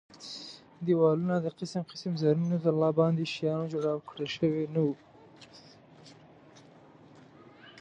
دېوالونه د قسم قسم زرینو ځل بلاندو شیانو جړاو کړل شوي نه وو.